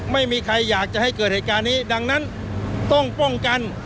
ไม่มีใครอยากจะให้เกิดเหตุการณ์นี้ดังนั้นต้องป้องกัน